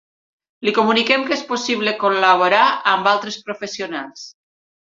Li comuniquen que és possible col·laborar amb altres professionals.